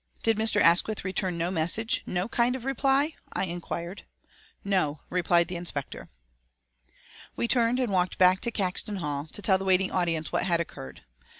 "Did Mr. Asquith return no message, no kind of reply?" I inquired. "No," replied the inspector. We turned and walked back to Caxton Hall, to tell the waiting audience what had occurred.